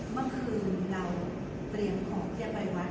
เมื่อคืนเราเปลี่ยนของเทียบไบวาน